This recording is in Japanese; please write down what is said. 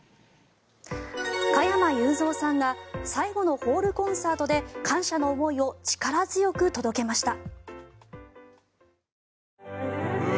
加山雄三さんが最後のホールコンサートで感謝の思いを力強く届けました。